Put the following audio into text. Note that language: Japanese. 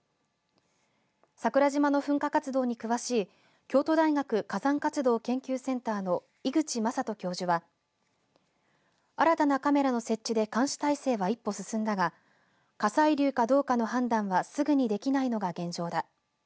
桜島の噴火活動に詳しい京都大学火山活動研究センターの井口正人教授は新たなカメラの設置で監視体制は一歩進んだが火砕流かどうかの判断はすぐにできないのが現状だ。